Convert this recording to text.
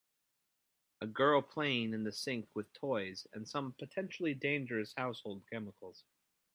A girl playing in the sink with toys and some potentially dangerous household chemicals